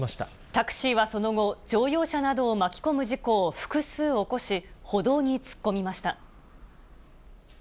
タクシーはその後、乗用車などを巻き込む事故を複数起こし、歩道に突っ込みました。